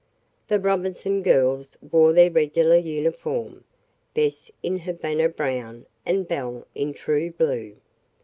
The Robinson girls wore their regular uniform Bess in Havana brown and Belle in true blue.